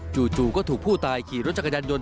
จู่ก็ถูกผู้ตายขี่รถจักรยานยนต